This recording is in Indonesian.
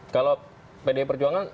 kalau pd perjuangan